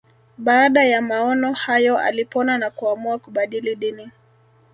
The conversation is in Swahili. Baada ya maono hayo alipona na kuamua kubadili dini